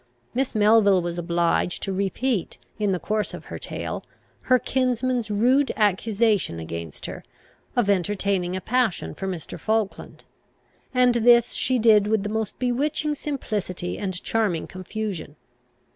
Miss Melville was obliged to repeat, in the course of her tale, her kinsman's rude accusation against her, of entertaining a passion for Mr. Falkland; and this she did with the most bewitching simplicity and charming confusion.